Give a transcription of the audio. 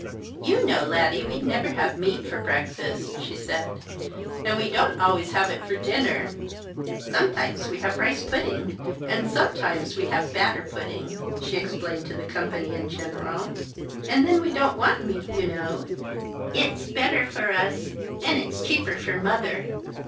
" You know. Laddie, we never have meat for breakfast," she said, " and we don't always have it for dinner. Some times we have rice pudding, and sometimes we have batter pudding," she explained to the company in general ;" and then we don't want meat, you know. It's better for us, and it's cheaper for mother."